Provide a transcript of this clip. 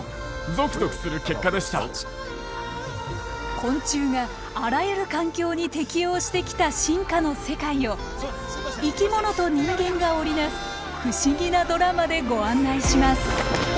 昆虫があらゆる環境に適応してきた進化の世界を生き物と人間が織り成す不思議なドラマでご案内します！